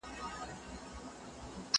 زه پرون سندري واورېدلې!!